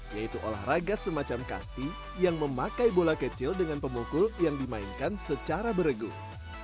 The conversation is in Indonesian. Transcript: yaitu olahraga semacam kasti yang memakai bola kecil dengan pemukul yang dimainkan secara beregung